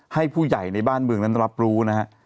ให้ผู้ใหญ่ในบ้านเมืองนั้นรับรู้นะฮะ